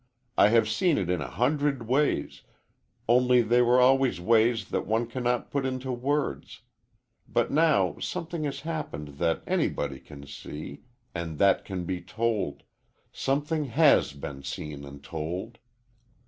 I have seen it in a hundred ways, only they were ways that one cannot put into words. But now something has happened that anybody can see, and that can be told something has been seen and told!"